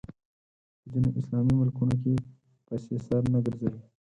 په ځینو اسلامي ملکونو کې پسې سر نه ګرځوي